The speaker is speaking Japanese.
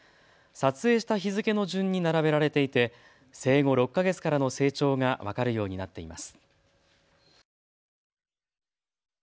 撮影した日付の順に並べられていて生後６か月からの成長が分かるようになっています。